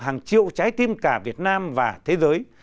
hàng triệu trái tim cả việt nam và thế giới